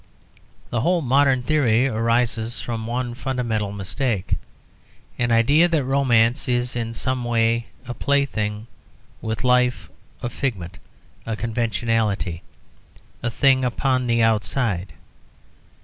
The whole modern theory arises from one fundamental mistake the idea that romance is in some way a plaything with life, a figment, a conventionality, a thing upon the outside.